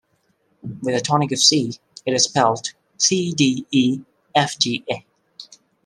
With a tonic of C, it is spelt: C. D. E. F. G. A.